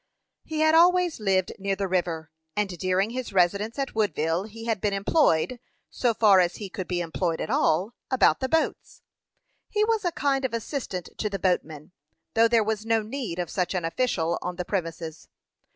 He had always lived near the river; and during his residence at Woodville he had been employed, so far as he could be employed at all, about the boats. He was a kind of assistant to the boatman, though there was no need of such an official on the premises.